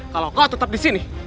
kalau kau tetap di sini